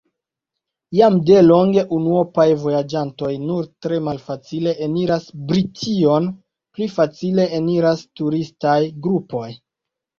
Jam delonge unuopaj vojaĝantoj nur tre malfacile eniras Brition: pli facile eniras turistaj grupoj.